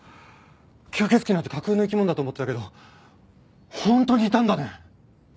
吸血鬼なんて架空の生き物だと思ってたけど本当にいたんだね！